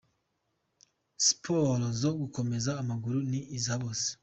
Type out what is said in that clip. Siporo zo gukomeza amaguru ni iza bose.